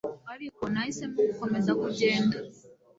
ariko, nahisemo gukomeza kugenda